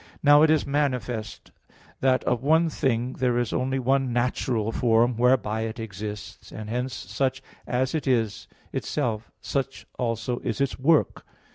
Now it is manifest that of one thing there is only one natural form whereby it exists; and hence such as it is itself, such also is its work.